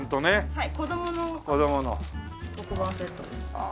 はい。